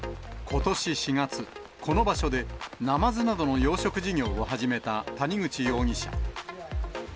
ことし４月、この場所で、ナマズなどの養殖事業を始めた谷口容疑者。